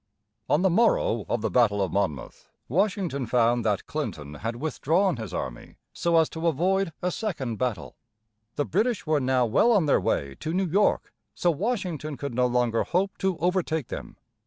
On the morrow of the battle of Monmouth, Washington found that Clinton had withdrawn his army so as to avoid a second battle. The British were now well on their way to New York, so Washington could no longer hope to overtake them.